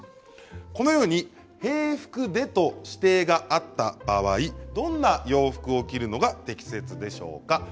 このように平服でと指定があった場合どんな洋服を着るのが適切でしょうか。